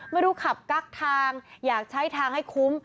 ไม่รู้ขับกั๊กทางอยากใช้ทางให้คุ้ม